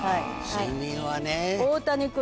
睡眠はね。